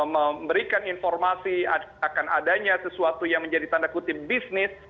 memberikan informasi akan adanya sesuatu yang menjadi tanda kutip bisnis